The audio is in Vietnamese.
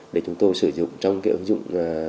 để chúng tôi sử dụng trong ứng dụng